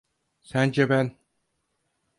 Sence ben…